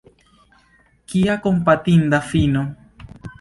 Kia kompatinda fino!